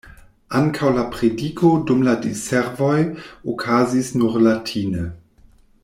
Ankaŭ la prediko dum la diservoj okazis nur latine.